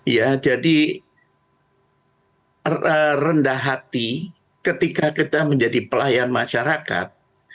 ya jadi rendah hati ketika kita menjadi pelayan masyarakat